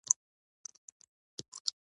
چوکۍ د خوب خونه کې هم کارېږي.